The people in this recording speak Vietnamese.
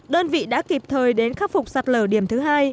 đơn vị đã kịp thời đến khắc phục sạt lở điểm thứ hai